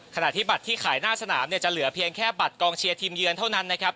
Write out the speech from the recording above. ขณะที่บัตรที่ขายหน้าสนามเนี่ยจะเหลือเพียงแค่บัตรกองเชียร์ทีมเยือนเท่านั้นนะครับ